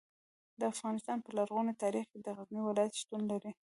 د افغانستان په لرغوني تاریخ کې د غزني ولایت شتون لري.